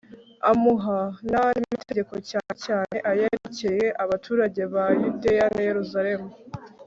amuha n'andi mategeko cyane cyane ayerekeye abaturage ba yudeya na yeruzalemu